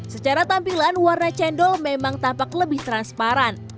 secara tampilan warna cendol memang tampak lebih transparan